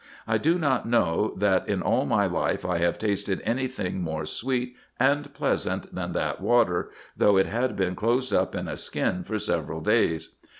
I do not know that in all my life I have tasted any thing more sweet and pleasant than that water, though it had been closed up in a skin for several days.